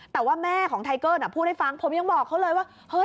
แต่ว่าแม่ของไทเกิ้ลพูดให้ฟังผมยังบอกเขาเลยว่าเฮ้ย